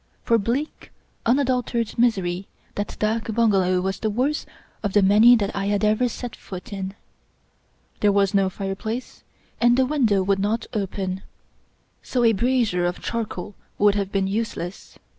For bleak, unadulterated misery that dak bungalow was the worst of the many that I had ever set foot in. There was no fireplace, and the windows would not open; so a brazier of charcoal would have been useless.